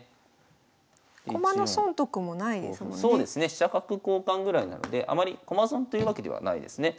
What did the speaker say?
飛車角交換ぐらいなのであまり駒損というわけではないですね。